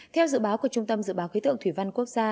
theo dự báo của trung tâm dự báo khí tượng thủy văn quốc gia